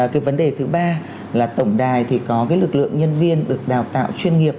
cái vấn đề thứ ba là tổng đài thì có cái lực lượng nhân viên được đào tạo chuyên nghiệp